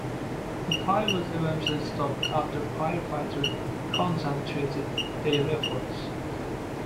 The fire was eventually stopped after firefighters concentrated their efforts.